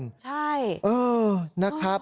ใช่นะครับ